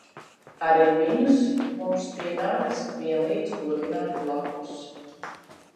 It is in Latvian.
Arī viņus mums pienākas vienlīdz godināt blakus.